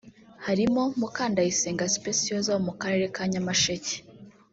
harimo Mukandayisenga Speciose wo mu karere ka Nyamasheke